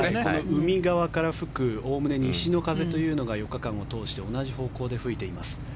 海側から吹くおおむね西の風というのが４日間を通して同じ方向で吹いています。